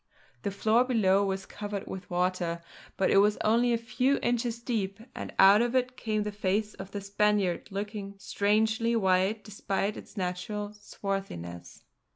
The floor below was covered with water, but it was only a few inches deep and out of it came the face of the Spaniard, looking strangely white despite its natural swarthiness.